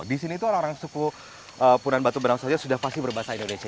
di sini itu orang orang suku punan batu benau saja sudah pasti berbahasa indonesia